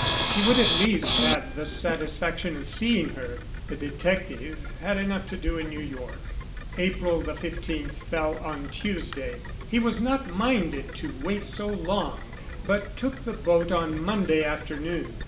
He would at least have the satisfaction of seeing her. The detective had enough to do in New York. April the fifteenth fell on Tuesday. He was not minded to wait so long but took the boat on Monday afternoon.